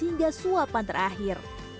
hingga suapan terakhir